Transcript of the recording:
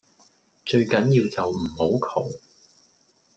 最緊要就唔好窮